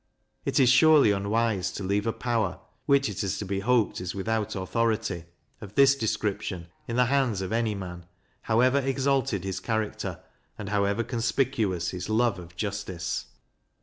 It is surely unwise to leave a power (which, it is to be hoped, is without authority) of this description, in the hands of any man, however exalted his character, and however conspicuous his love of justice.